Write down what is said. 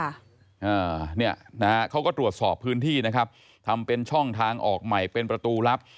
อ่าเนี่ยนะฮะเขาก็ตรวจสอบพื้นที่นะครับทำเป็นช่องทางออกใหม่เป็นประตูลับ